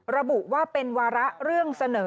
ระบุว่าเป็นวาระเรื่องเสนอ